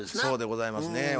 そうでございますね。